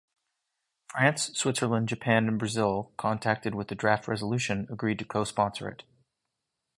France, Switzerland, Japan and Brazil, contacted with the draft Resolution, agreed to co-sponsor it.